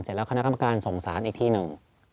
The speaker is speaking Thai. เสร็จแล้วคณะกรรมการส่งสารอีกที่หนึ่ง